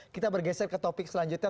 kita bergeser ke topik selanjutnya